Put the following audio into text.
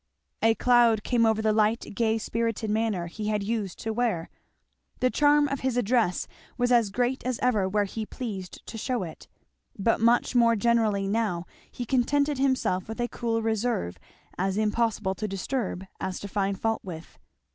A cloud came over the light gay spirited manner he had used to wear. The charm of his address was as great as ever where he pleased to shew it, but much more generally now he contented himself with a cool reserve, as impossible to disturb as to find fault with.